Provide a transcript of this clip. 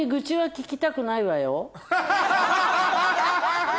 ハハハハ！